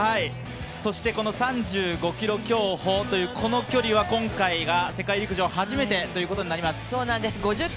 そしてこの３５ｋｍ競歩というこの距離は今回、世界陸上初めてということになります。